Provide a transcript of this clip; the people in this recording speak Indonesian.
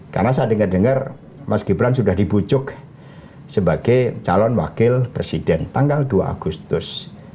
karena saya dengar dengar mas gibran sudah dibujuk sebagai calon wakil presiden tanggal dua agustus